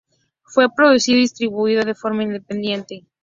Fue producido y distribuido de forma independiente.